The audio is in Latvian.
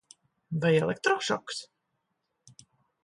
Vai elektrošoks?